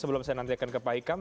sebelum saya nanti akan ke pahikam